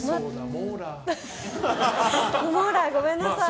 モーラー、ごめんなさい。